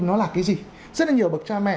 nó là cái gì rất là nhiều bậc cha mẹ